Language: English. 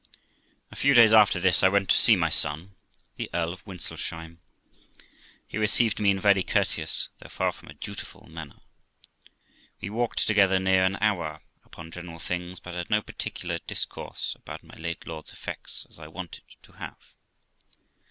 A few days after this I went to see my son, the Earl of Wintselsheim. He received me in a very courteous (though far from a dutiful) manner. We talk ed together near an hour upon general things, but had no particular discount about my late lord's effects, as I wanted to have.